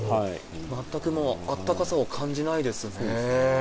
全くもう、あったかさを感じないですね。